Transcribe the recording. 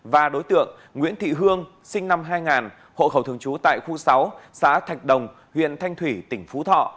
và đối tượng nguyễn thị hương sinh năm hai nghìn hộ khẩu thường trú tại khu sáu xã thạch đồng huyện thanh thủy tỉnh phú thọ